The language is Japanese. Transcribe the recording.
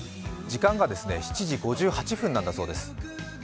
時間が７時５８分なんだそうです。